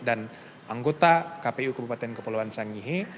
dan anggota kpu kebupaten kepulauan sangihe